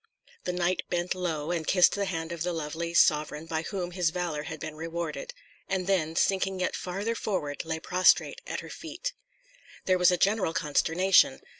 The knight bent low, and kissed the hand of the lovely Sovereign by whom his valour had been rewarded; and then, sinking yet farther forward, lay prostrate at her feet. There was a general consternation.